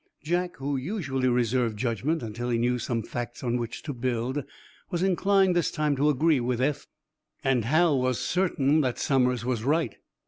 Jack, who usually reserved judgment until he knew some facts on which to build, was inclined this time to agree with Eph, and Hal was certain that Somers was right.